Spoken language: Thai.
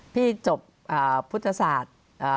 พี่จบพุทธศาสตร์